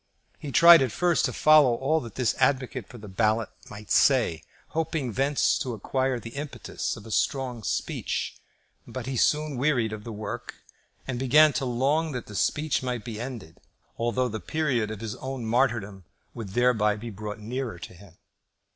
He tried at first to follow all that this advocate for the ballot might say, hoping thence to acquire the impetus of strong interest; but he soon wearied of the work, and began to long that the speech might be ended, although the period of his own martyrdom would thereby be brought nearer to him.